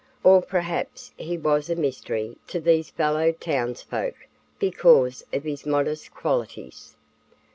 Or perhaps he was a mystery to these fellow townsfolk because of his modest qualities.